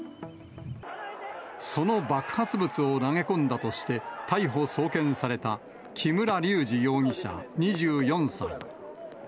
その爆発物を投げ込んだとして逮捕・送検された、木村隆二容疑者２４歳。